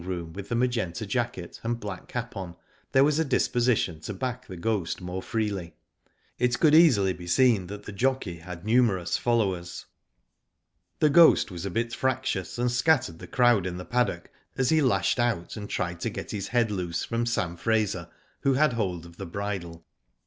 room with the Magenta jacket and black cap on, there was a disposition to back The Ghost more freely. It could easily be seen that the jockey had numerous followers. The Ghost was a bit fractious, and scattered the crowd in the paddock, as he lashed out and tried to get his head loose from Sam Fraser who had hold of the bridle.